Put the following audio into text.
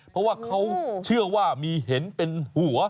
เพราะว่าเขาเชื่อว่ามีเห็นเป็นหัว